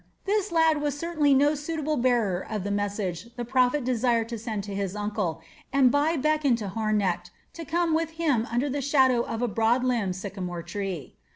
This lad was certainly no suitable bearer of the message the prophet desired to send to his uncle, and Bai beckoned to Hornecht to come with him under the shadow of a broad limbed sycamore tree.